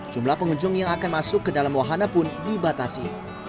jumlah pengunjung yang akan masuk ke dalam wahana pun dibatasi